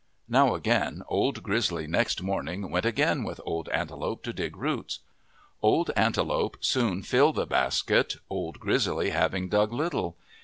Now again Old Grizzly next morning went again with Old Antelope to dig roots. Old Antelope soon 133 MYTHS AND LEGENDS filled the basket, Old Grizzly having dug little.